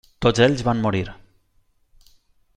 Tots ells van morir.